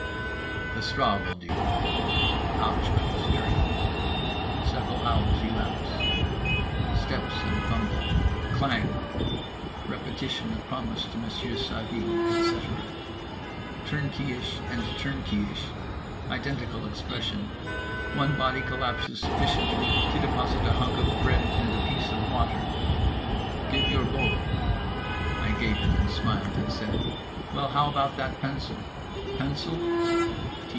The straw will do. Ouch, but it's Dirty.—Several hours elapse…. Steps and fumble. Klang. Repetition of promise to Monsieur Savy, etc. Turnkeyish and turnkeyish. Identical expression. One body collapses sufficiently to deposit a hunk of bread and a piece of water. "Give your bowl." I gave it, smiled and said: "Well, how about that pencil?" "Pencil?"